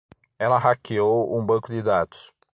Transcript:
Ela hackeou um banco de dados.